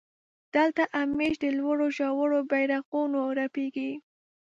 دلته همېش د لوړو ژورو بيرغونه رپېږي.